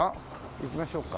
行きましょうか。